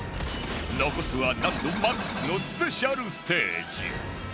残すは難度マックスのスペシャルステージ